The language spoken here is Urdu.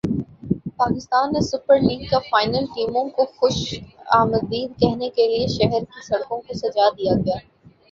پاکستان سپر لیگ کا فائنل ٹیموں کو خوش مدید کہنے کے لئے شہر کی سڑکوں کوسجا دیا گیا